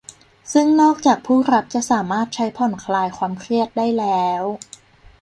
ซึ่งนอกจากผู้รับจะสามารถใช้ผ่อนคลายความเครียดได้แล้ว